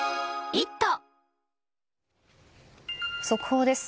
速報です。